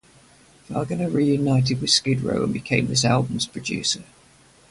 Wagener reunited with Skid Row and became this album's producer.